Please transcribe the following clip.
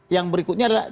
yang berikutnya adalah